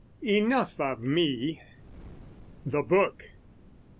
Enough of me! The Book!